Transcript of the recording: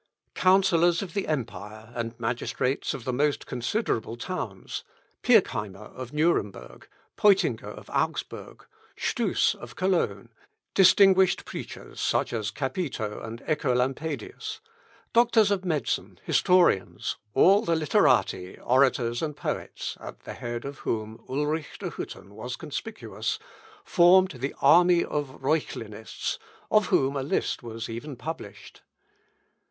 Counsellors of the empire, and magistrates of the most considerable towns Pirckheimer of Nuremberg, Peutinger of Augsburg, Stuss of Cologne, distinguished preachers, such as Capito and Œcolampadius, doctors of medicine, historians, all the literati, orators, and poets, at the head of whom, Ulrich de Hütten was conspicuous, formed the army of Reuchlinists, of whom a list was even published.